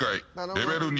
レベル２。